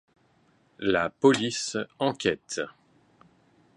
La police enquête.